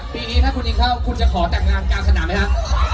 ปีนี้ถ้าคุณยิงเข้าคุณจะขอใต้จักรการขนาดไหมครับ